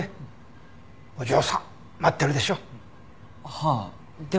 はあでも。